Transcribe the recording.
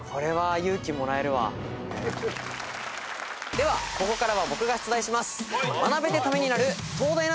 ではここからは僕が出題します。